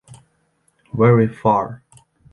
Very far...